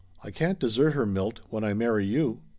I can't desert her, Milt, when I marry you."